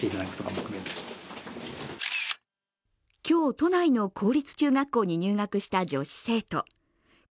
今日、都内の公立中学校に入学した女子生徒。